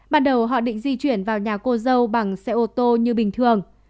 ban đầu họ định di chuyển vào nhà cô dâu bằng xe ô tô như bình thường